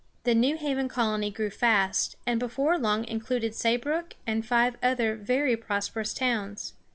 The New Haven colony grew fast, and before long included Saybrook and five other very prosperous towns.